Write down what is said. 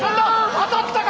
当たったか？